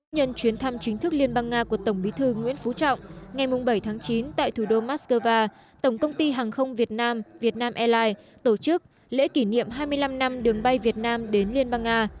nhân chuyến thăm chính thức liên bang nga của tổng bí thư nguyễn phú trọng ngày bảy tháng chín tại thủ đô moscow tổng công ty hàng không việt nam vietnam airlines tổ chức lễ kỷ niệm hai mươi năm năm đường bay việt nam đến liên bang nga